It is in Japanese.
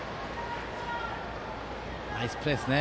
ナイスプレーですね。